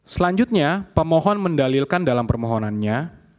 selanjutnya pemohon mendalilkan dalam permohonannya